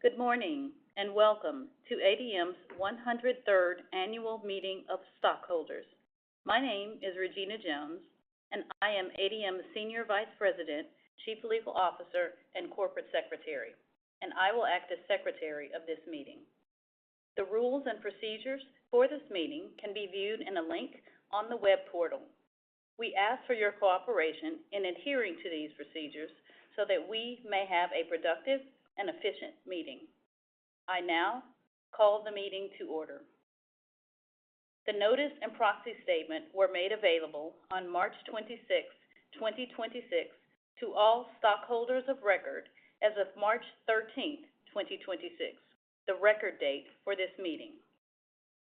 Good morning, welcome to ADM's 103rd annual meeting of stockholders. My name is Regina Jones, and I am ADM's Senior Vice President, Chief Legal Officer, and Corporate Secretary, and I will act as secretary of this meeting. The rules and procedures for this meeting can be viewed in a link on the web portal. We ask for your cooperation in adhering to these procedures so that we may have a productive and efficient meeting. I now call the meeting to order. The notice and proxy statement were made available on March 26th, 2026 to all stockholders of record as of March 13th, 2026, the record date for this meeting.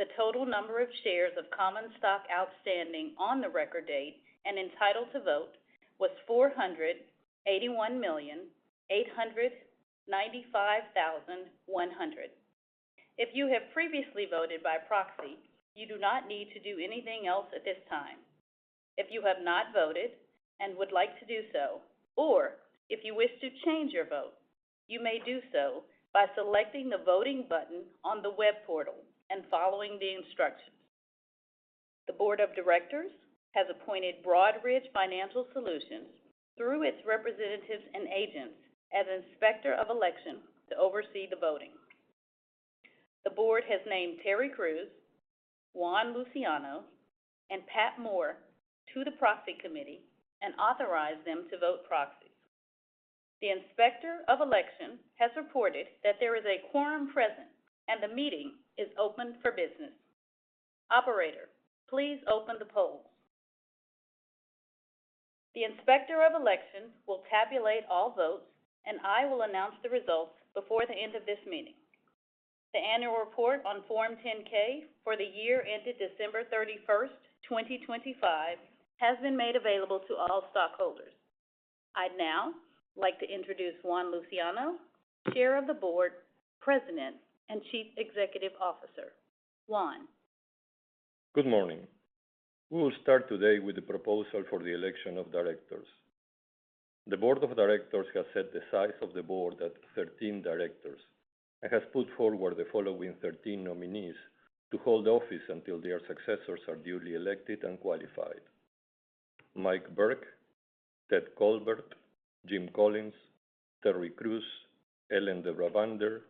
The total number of shares of common stock outstanding on the record date and entitled to vote was 481,895,100. If you have previously voted by proxy, you do not need to do anything else at this time. If you have not voted and would like to do so or if you wish to change your vote, you may do so by selecting the voting button on the web portal and following the instructions. The board of directors has appointed Broadridge Financial Solutions through its representatives and agents as inspector of election to oversee the voting. The board has named Terrell Crews, Juan Luciano, and Patrick Moore to the proxy committee and authorized them to vote proxies. The inspector of election has reported that there is a quorum present, and the meeting is open for business. Operator, please open the polls. The inspector of elections will tabulate all votes, and I will announce the results before the end of this meeting. The annual report on Form 10-K for the year ended December 31st, 2025 has been made available to all stockholders. I'd now like to introduce Juan Luciano, Chair of the Board, President, and Chief Executive Officer. Juan. Good morning. We will start today with the proposal for the election of directors. The board of directors has set the size of the board at 13 directors and has put forward the following 13 nominees to hold office until their successors are duly elected and qualified: Mike Burke, Ted Colbert, Jim Collins, Terry Crews, Ellen de Brabander,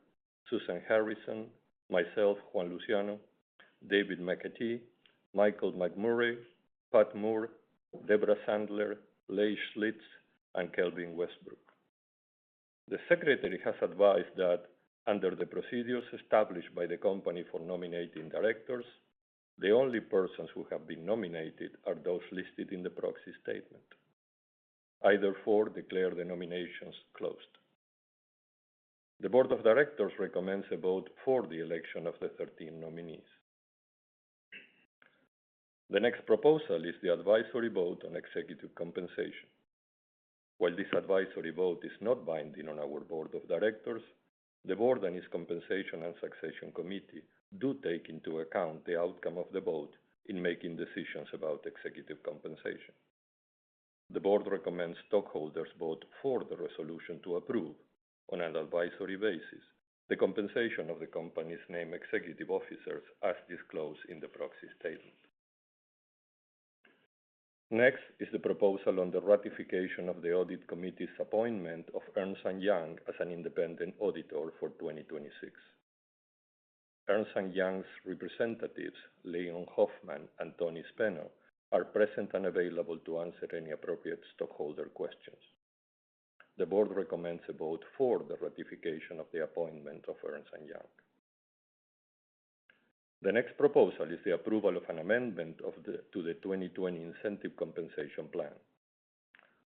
Suzan Harrison, myself, Juan Luciano, David McAtee, Michael McMurray, Pat Moore, Debra Sandler, Lei Zhang Schlitz, and Kelvin Westbrook. The Secretary has advised that under the procedures established by the company for nominating directors, the only persons who have been nominated are those listed in the proxy statement. I therefore declare the nominations closed. The board of directors recommends a vote for the election of the 13 nominees. The next proposal is the advisory vote on executive compensation. While this advisory vote is not binding on our board of directors, the board and its Compensation and Succession Committee do take into account the outcome of the vote in making decisions about executive compensation. The board recommends stockholders vote for the resolution to approve, on an advisory basis, the compensation of the company's named executive officers as disclosed in the proxy statement. Next is the proposal on the ratification of the Audit Committee's appointment of Ernst & Young as an independent auditor for 2026. Ernst & Young's representatives, Leon Hoffman and Tony Speno, are present and available to answer any appropriate stockholder questions. The board recommends a vote for the ratification of the appointment of Ernst & Young. The next proposal is the approval of an amendment to the 2020 Incentive Compensation Plan.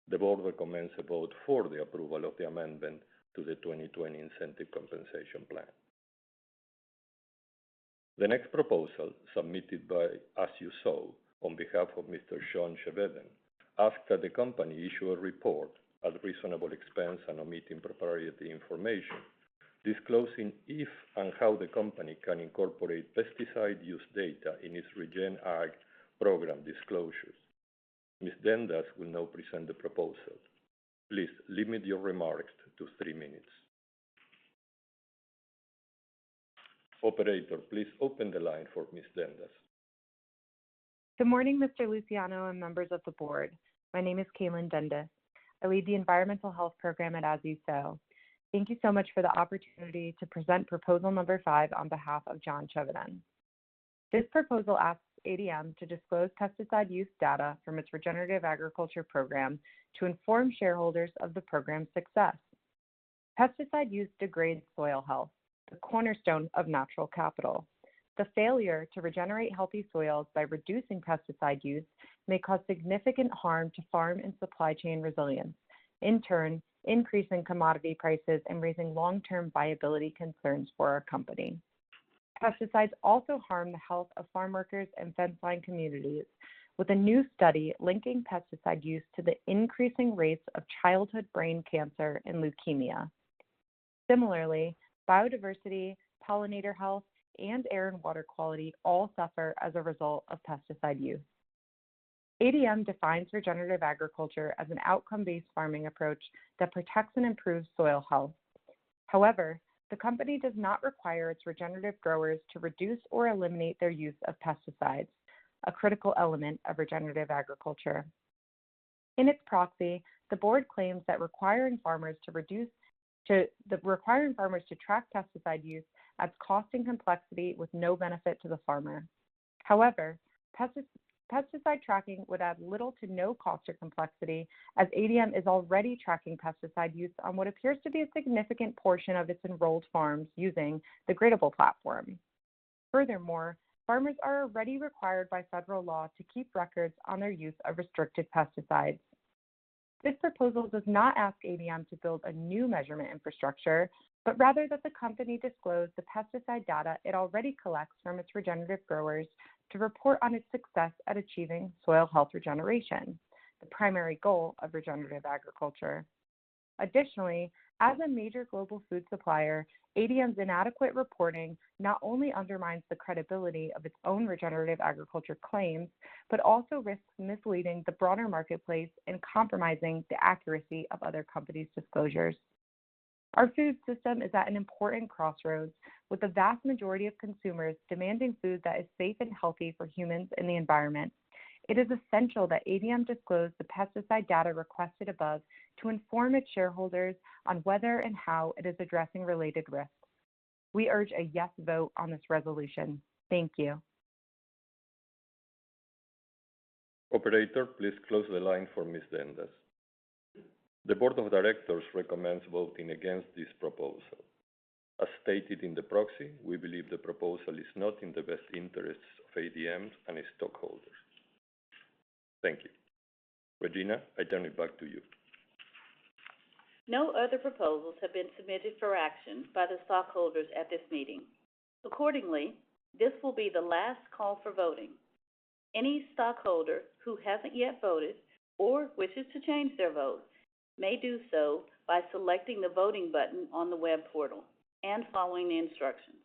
The board recommends a vote for the approval of the amendment to the 2020 Incentive Compensation Plan. The next proposal submitted by As You Sow on behalf of Mr. John Chevedden asks that the company issue a report at reasonable expense and omitting proprietary information disclosing if and how the company can incorporate pesticide use data in its Regen Ag program disclosures. Ms. Dendas will now present the proposal. Please limit your remarks to three minutes. Operator, please open the line for Ms. Dendas. Good morning, Mr. Luciano and members of the board. My name is Cailin Dendas. I lead the Environmental Health Program at As You Sow. Thank you so much for the opportunity to present Proposal 5 on behalf of John Chevedden. This proposal asks ADM to disclose pesticide use data from its regenerative agriculture program to inform shareholders of the program's success. Pesticide use degrades soil health, the cornerstone of natural capital. The failure to regenerate healthy soils by reducing pesticide use may cause significant harm to farm and supply chain resilience, in turn increasing commodity prices and raising long-term viability concerns for our company. Pesticides also harm the health of farmworkers and fenceline communities, with a new study linking pesticide use to the increasing rates of childhood brain cancer and leukemia. Similarly, biodiversity, pollinator health, and air and water quality all suffer as a result of pesticide use. ADM defines regenerative agriculture as an outcome-based farming approach that protects and improves soil health. However, the company does not require its regenerative growers to reduce or eliminate their use of pesticides, a critical element of regenerative agriculture. In its proxy, the board claims that requiring farmers to track pesticide use adds cost and complexity with no benefit to the farmer. However, pesticide tracking would add little to no cost or complexity, as ADM is already tracking pesticide use on what appears to be a significant portion of its enrolled farms using the Gradable platform. Furthermore, farmers are already required by federal law to keep records on their use of restricted pesticides. This proposal does not ask ADM to build a new measurement infrastructure, but rather that the company disclose the pesticide data it already collects from its regenerative growers to report on its success at achieving soil health regeneration, the primary goal of regenerative agriculture. Additionally, as a major global food supplier, ADM's inadequate reporting not only undermines the credibility of its own regenerative agriculture claims but also risks misleading the broader marketplace and compromising the accuracy of other companies' disclosures. Our food system is at an important crossroads, with the vast majority of consumers demanding food that is safe and healthy for humans and the environment. It is essential that ADM disclose the pesticide data requested above to inform its shareholders on whether and how it is addressing related risks. We urge a yes vote on this resolution. Thank you. Operator, please close the line for Ms. Dendas. The board of directors recommends voting against this proposal. As stated in the proxy, we believe the proposal is not in the best interests of ADM and its stockholders. Thank you. Regina, I turn it back to you. No other proposals have been submitted for action by the stockholders at this meeting. Accordingly, this will be the last call for voting. Any stockholder who hasn't yet voted or wishes to change their vote may do so by selecting the voting button on the web portal and following the instructions.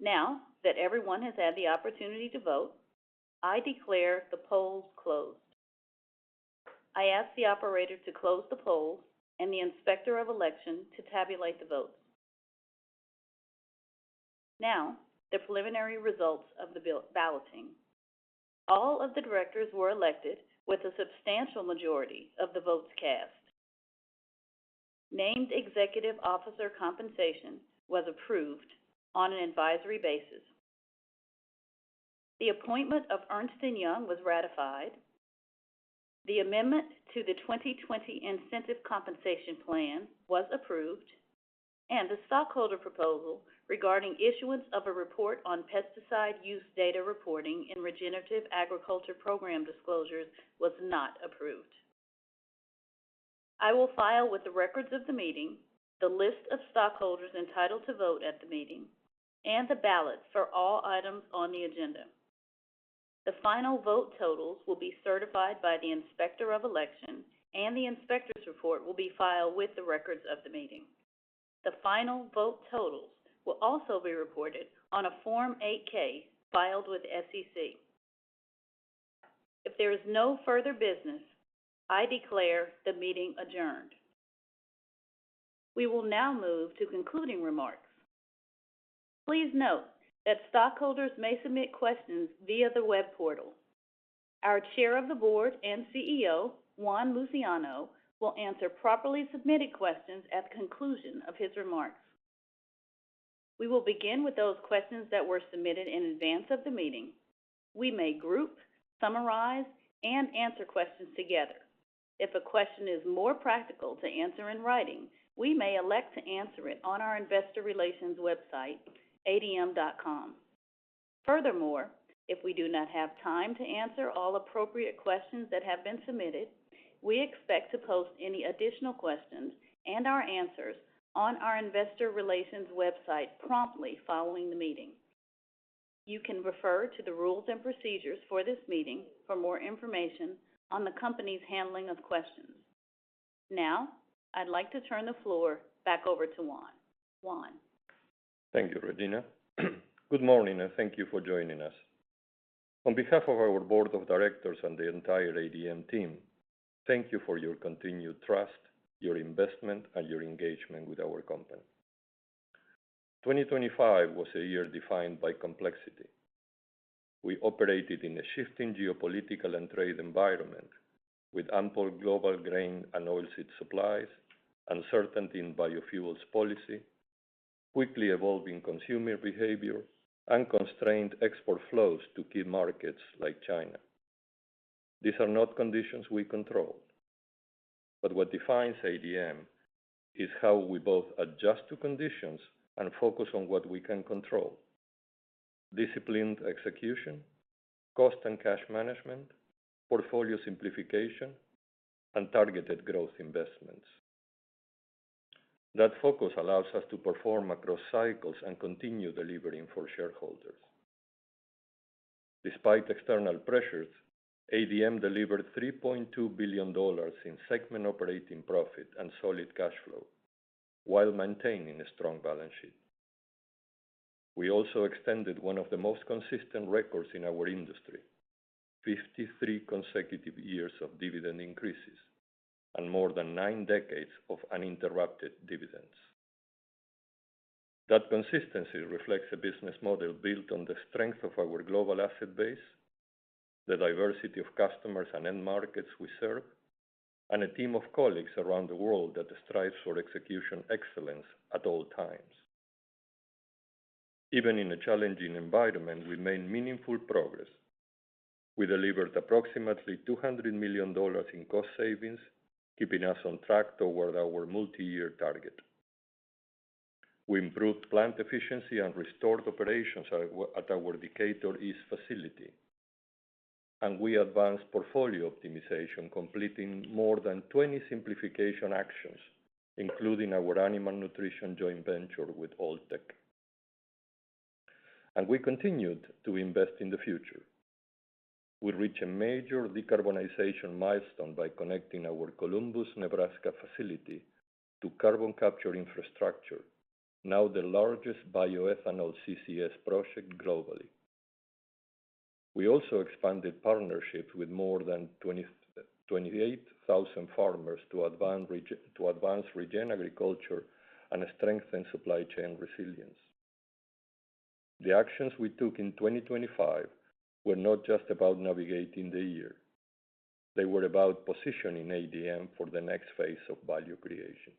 Now that everyone has had the opportunity to vote, I declare the polls closed. I ask the operator to close the polls and the inspector of election to tabulate the votes. Now the preliminary results of the balloting. All of the directors were elected with a substantial majority of the votes cast. Named Executive Officer compensation was approved on an advisory basis. The appointment of Ernst & Young was ratified. The amendment to the 2020 Incentive Compensation Plan was approved. The stockholder proposal regarding issuance of a report on pesticide use data reporting in regenerative agriculture program disclosures was not approved. I will file with the records of the meeting the list of stockholders entitled to vote at the meeting and the ballots for all items on the agenda. The final vote totals will be certified by the Inspector of Election. The inspector's report will be filed with the records of the meeting. The final vote totals will also be reported on a Form 8-K filed with SEC. If there is no further business, I declare the meeting adjourned. We will now move to concluding remarks. Please note that stockholders may submit questions via the web portal. Our Chair of the Board and CEO, Juan Luciano, will answer properly submitted questions at the conclusion of his remarks. We will begin with those questions that were submitted in advance of the meeting. We may group, summarize, and answer questions together. If a question is more practical to answer in writing, we may elect to answer it on our investor relations website, adm.com. Furthermore, if we do not have time to answer all appropriate questions that have been submitted, we expect to post any additional questions and our answers on our investor relations website promptly following the meeting. You can refer to the rules and procedures for this meeting for more information on the company's handling of questions. Now I'd like to turn the floor back over to Juan. Juan. Thank you, Regina. Good morning, and thank you for joining us. On behalf of our board of directors and the entire ADM team, thank you for your continued trust, your investment, and your engagement with our company. 2025 was a year defined by complexity. We operated in a shifting geopolitical and trade environment with ample global grain and oil seed supplies, uncertainty in biofuels policy, quickly evolving consumer behavior, and constrained export flows to key markets like China. These are not conditions we control. What defines ADM is how we both adjust to conditions and focus on what we can control: disciplined execution, cost and cash management, portfolio simplification, and targeted growth investments. That focus allows us to perform across cycles and continue delivering for shareholders. Despite external pressures, ADM delivered $3.2 billion in segment operating profit and solid cash flow while maintaining a strong balance sheet. We also extended one of the most consistent records in our industry, 53 consecutive years of dividend increases and more than nine decades of uninterrupted dividends. That consistency reflects a business model built on the strength of our global asset base, the diversity of customers and end markets we serve, and a team of colleagues around the world that strives for execution excellence at all times. Even in a challenging environment, we made meaningful progress. We delivered approximately $200 million in cost savings, keeping us on track toward our multi-year target. We improved plant efficiency and restored operations at our Decatur East facility, and we advanced portfolio optimization, completing more than 20 simplification actions, including our animal nutrition joint venture with Alltech. We continued to invest in the future. We reached a major decarbonization milestone by connecting our Columbus, Nebraska facility to carbon capture infrastructure, now the largest bioethanol CCS project globally. We also expanded partnerships with more than 28,000 farmers to advance regen agriculture and strengthen supply chain resilience. The actions we took in 2025 were not just about navigating the year, they were about positioning ADM for the next phase of value creation.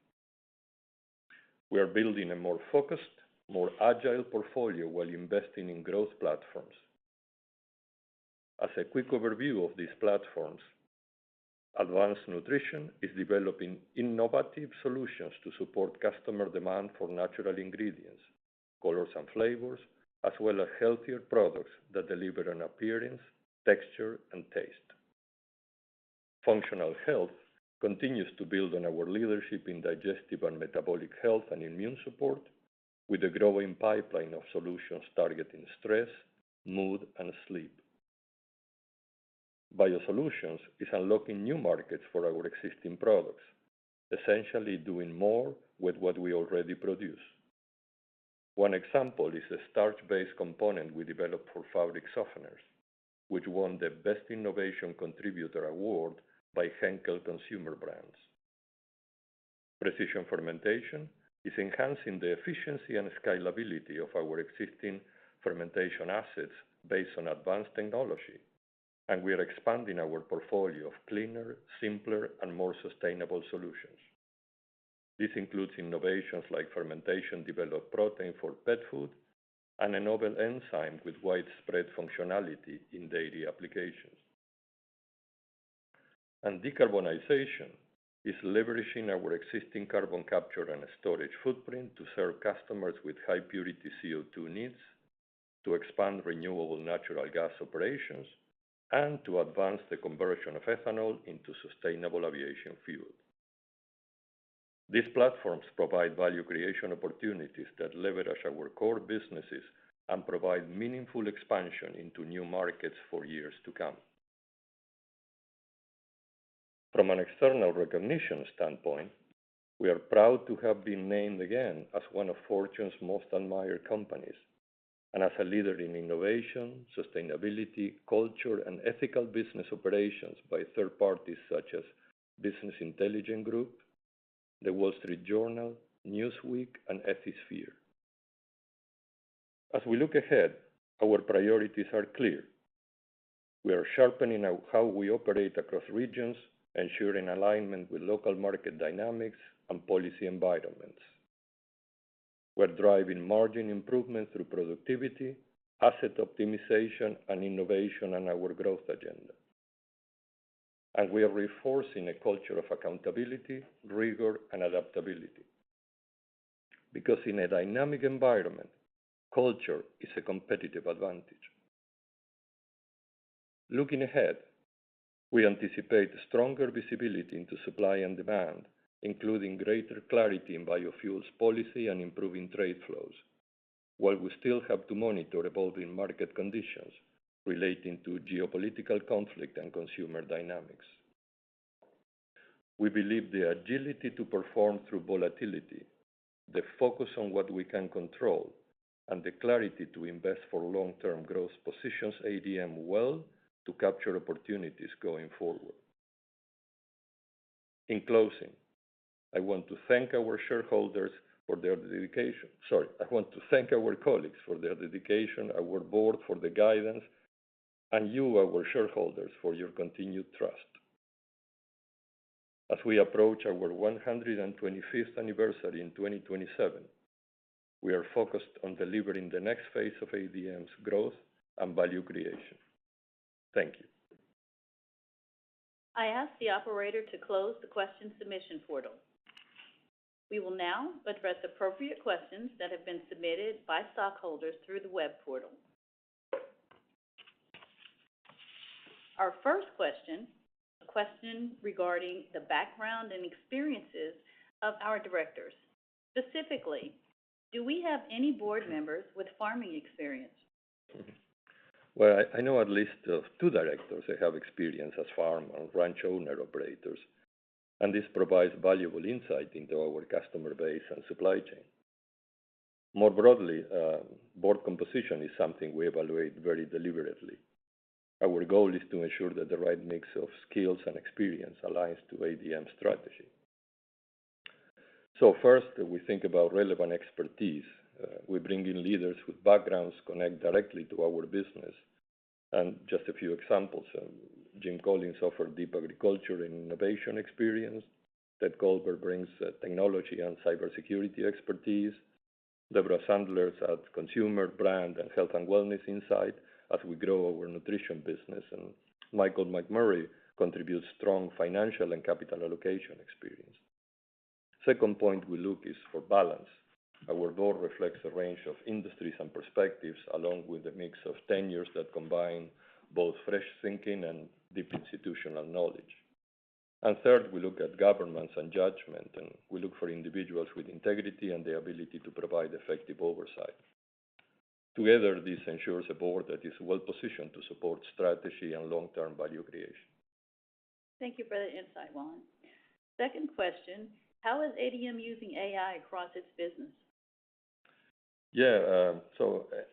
We are building a more focused, more agile portfolio while investing in growth platforms. As a quick overview of these platforms, Advanced Nutrition is developing innovative solutions to support customer demand for natural ingredients, colors and flavors, as well as healthier products that deliver on appearance, texture and taste. Functional Health continues to build on our leadership in digestive and metabolic health and immune support with a growing pipeline of solutions targeting stress, mood and sleep. Biosolutions is unlocking new markets for our existing products, essentially doing more with what we already produce. One example is a starch-based component we developed for fabric softeners, which won the Best Innovation Contributor Award by Henkel Consumer Brands. Precision Fermentation is enhancing the efficiency and scalability of our existing fermentation assets based on advanced technology. We are expanding our portfolio of cleaner, simpler and more sustainable solutions. This includes innovations like fermentation-developed protein for pet food and a novel enzyme with widespread functionality in dairy applications. Decarbonization is leveraging our existing carbon capture and storage footprint to serve customers with high-purity CO2 needs, to expand renewable natural gas operations, and to advance the conversion of ethanol into sustainable aviation fuel. These platforms provide value creation opportunities that leverage our core businesses and provide meaningful expansion into new markets for years to come. From an external recognition standpoint, we are proud to have been named again as one of Fortune's Most Admired Companies and as a leader in innovation, sustainability, culture and ethical business operations by third parties such as Business Intelligence Group, The Wall Street Journal, Newsweek and Ethisphere. As we look ahead, our priorities are clear. We are sharpening how we operate across regions, ensuring alignment with local market dynamics and policy environments. We're driving margin improvements through productivity, asset optimization and innovation on our growth agenda. We are reinforcing a culture of accountability, rigor and adaptability, because in a dynamic environment, culture is a competitive advantage. Looking ahead, we anticipate stronger visibility into supply and demand, including greater clarity in biofuels policy and improving trade flows, while we still have to monitor evolving market conditions relating to geopolitical conflict and consumer dynamics. We believe the agility to perform through volatility, the focus on what we can control, and the clarity to invest for long-term growth positions ADM well to capture opportunities going forward. In closing, I want to thank our shareholders for their dedication. Sorry. I want to thank our colleagues for their dedication, our board for the guidance, and you, our shareholders, for your continued trust. As we approach our 125th anniversary in 2027, we are focused on delivering the next phase of ADM's growth and value creation. Thank you. I ask the operator to close the question submission portal. We will now address appropriate questions that have been submitted by stockholders through the web portal. Our first question, a question regarding the background and experiences of our directors. Specifically, do we have any board members with farming experience? I know at least of two directors that have experience as farm and ranch owner operators, and this provides valuable insight into our customer base and supply chain. More broadly, board composition is something we evaluate very deliberately. Our goal is to ensure that the right mix of skills and experience aligns to ADM strategy. First, we think about relevant expertise. We bring in leaders with backgrounds connect directly to our business. Just a few examples, Jim Collins offer deep agriculture and innovation experience. Ted Colbert brings technology and cybersecurity expertise. Debra Sandler adds consumer brand and health and wellness insight as we grow our nutrition business. Michael McMurray contributes strong financial and capital allocation experience. Second point we look is for balance. Our board reflects a range of industries and perspectives, along with a mix of tenures that combine both fresh thinking and deep institutional knowledge. Third, we look at governance and judgment, and we look for individuals with integrity and the ability to provide effective oversight. Together, this ensures a board that is well-positioned to support strategy and long-term value creation. Thank you for that insight, Juan. Second question: How is ADM using AI across its business? AI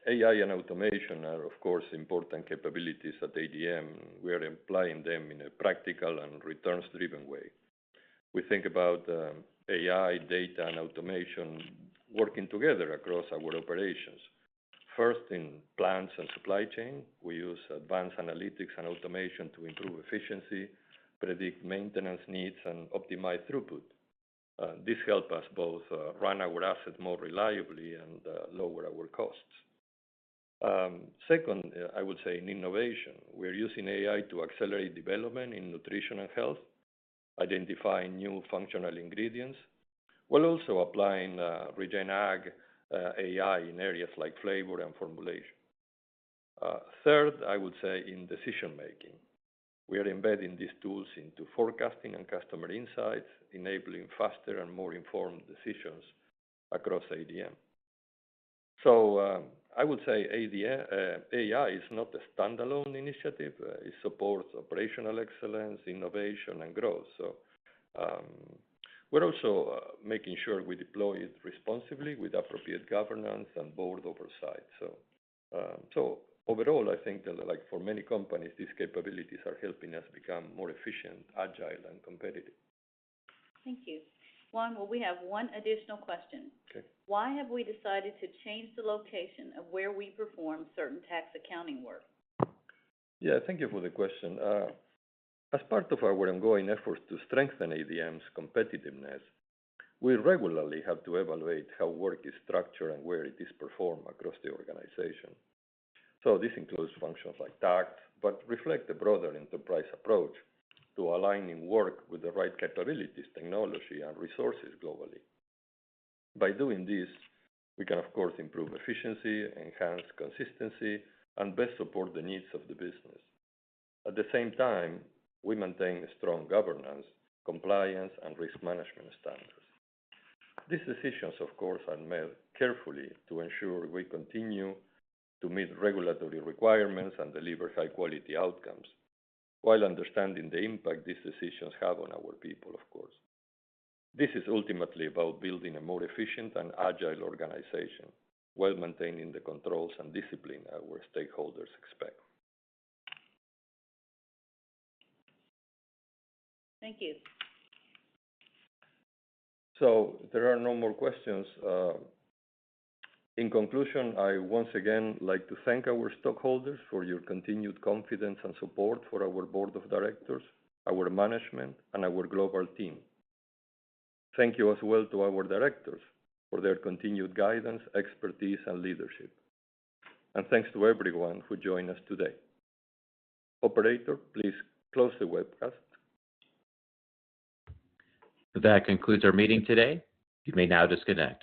and automation are, of course, important capabilities at ADM. We are employing them in a practical and returns-driven way. We think about AI, data, and automation working together across our operations. First, in plants and supply chain, we use advanced analytics and automation to improve efficiency, predict maintenance needs, and optimize throughput. This help us both run our assets more reliably and lower our costs. Second, I would say in innovation. We're using AI to accelerate development in nutrition and health, identifying new functional ingredients, while also applying Regen Ag AI in areas like flavor and formulation. Third, I would say in decision-making. We are embedding these tools into forecasting and customer insights, enabling faster and more informed decisions across ADM. I would say AI is not a standalone initiative. It supports operational excellence, innovation, and growth. We're also making sure we deploy it responsibly with appropriate governance and board oversight. Overall, I think that, like for many companies, these capabilities are helping us become more efficient, agile, and competitive. Thank you. Juan, we have one additional question. Okay. Why have we decided to change the location of where we perform certain tax accounting work? Yeah. Thank you for the question. As part of our ongoing efforts to strengthen ADM's competitiveness, we regularly have to evaluate how work is structured and where it is performed across the organization. This includes functions like tax, but reflect a broader enterprise approach to aligning work with the right capabilities, technology, and resources globally. By doing this, we can, of course, improve efficiency, enhance consistency, and best support the needs of the business. At the same time, we maintain strong governance, compliance, and risk management standards. These decisions, of course, are made carefully to ensure we continue to meet regulatory requirements and deliver high-quality outcomes while understanding the impact these decisions have on our people, of course. This is ultimately about building a more efficient and agile organization while maintaining the controls and discipline our stakeholders expect. Thank you. There are no more questions. In conclusion, I once again like to thank our stockholders for your continued confidence and support for our board of directors, our management, and our global team. Thank you as well to our directors for their continued guidance, expertise, and leadership. Thanks to everyone who joined us today. Operator, please close the webcast. That concludes our meeting today. You may now disconnect.